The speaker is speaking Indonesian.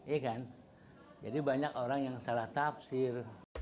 iya kan jadi banyak orang yang salah tafsir